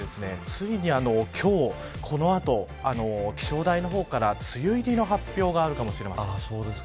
ついに今日この後気象台の方から梅雨入りの発表があるかもしれません。